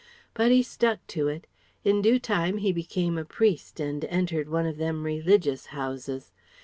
But he stuck to it. In due time he became a priest and entered one of them religious houses.